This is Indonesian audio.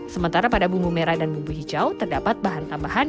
sementara pada bumbu merah dan bumbu hijau terdapat bahan tambahan